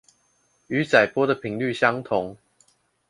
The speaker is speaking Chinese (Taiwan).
與載波的頻率相同